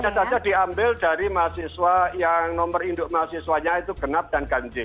nah itu bisa diambil dari mahasiswa yang nomor induk mahasiswanya itu genap dan ganjil